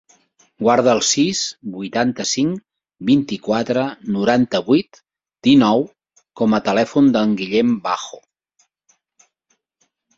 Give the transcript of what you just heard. Guarda el sis, vuitanta-cinc, vint-i-quatre, noranta-vuit, dinou com a telèfon del Guillem Bajo.